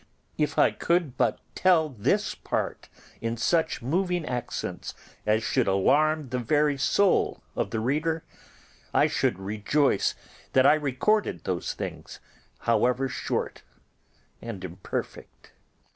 If I could but tell this part in such moving accents as should alarm the very soul of the reader, I should rejoice that I recorded those things, however short and imperfect.